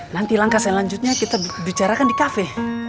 nanti langkah selanjutnya kita bicarakan di kafe